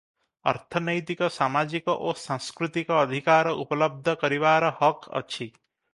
ଅର୍ଥନୈତିକ, ସାମାଜିକ ଓ ସାଂସ୍କୃତିକ ଅଧିକାର ଉପଲବ୍ଧ କରିବାର ହକ ଅଛି ।